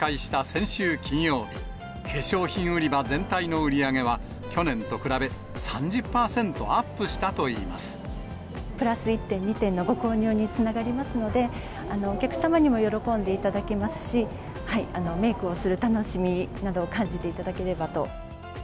先週金曜日、化粧品売り場全体の売り上げは、去年と比べ、３０％アップラス１点、２点のご購入につながりますので、お客様にも喜んでいただけますし、メークをする楽しみなどを感じていただければと。